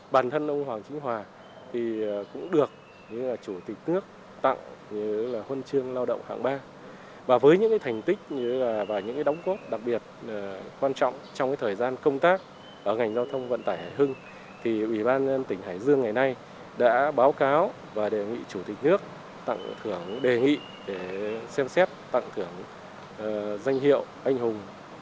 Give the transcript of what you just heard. đã báo cáo và đề nghị chủ tịch nước tặng thưởng đề nghị để xem xét tặng thưởng danh hiệu anh hùng lao động cho ông hoàng chính hòa